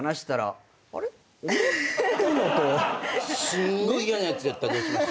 すんごい嫌なやつやったらどうします？